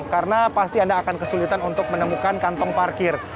karena pasti anda akan kesulitan untuk menemukan kantong parkir